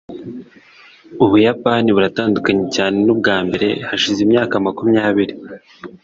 ubuyapani buratandukanye cyane nubwa mbere hashize imyaka makumyabiri